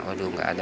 waduh nggak ada